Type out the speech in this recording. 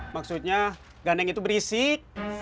maksudnya gandeng itu berisik